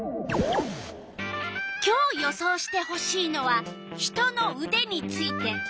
今日予想してほしいのは人のうでについて。